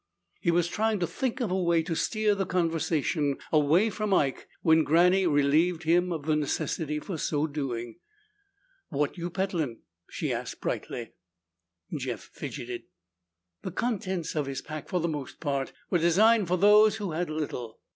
He was trying to think of a way to steer the conversation away from Ike when Granny relieved him of the necessity for so doing. "What you peddlin'?" she asked brightly. Jeff fidgeted. The contents of his pack, for the most part, were designed for those who had little.